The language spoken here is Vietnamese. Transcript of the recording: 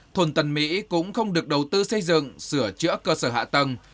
thôn tần mỹ cũng không được đầu tư xây dựng sửa chữa cơ sở hạ tầng